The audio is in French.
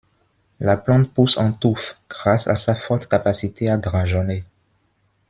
La plante pousse en touffes grâce à sa forte capacité à drageonner.